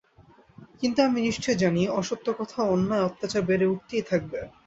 কিন্তু আমি নিশ্চয় জানি, অসত্য কথা ও অন্যায় অত্যাচার বেড়ে উঠতেই থাকবে।